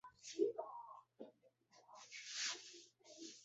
了解解决相关的方法